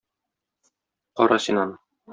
Кара син аны.